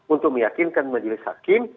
untuk meyakinkan majelis hakim